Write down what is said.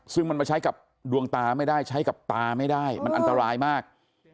ซึ่งมันมาใช้กับดวงตาไม่ได้ใช้กับตาไม่ได้มันอันตรายมาก